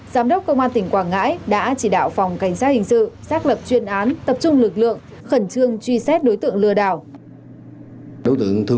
giám đốc công an tỉnh quảng ngãi đã chỉ đạo phòng cảnh sát hình sự xác lập chuyên án tập trung lực lượng khẩn trương truy xét đối tượng lừa đảo